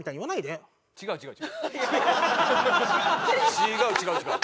違う違う違う。